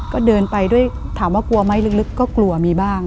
ก็เดินไปด้วยถามว่ากลัวไหมลึกก็กลัวมีบ้าง